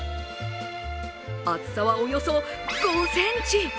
厚さはおよそ５ｃｍ。